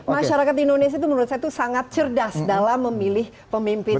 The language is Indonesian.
masyarakat indonesia itu menurut saya itu sangat cerdas dalam memilih pemimpin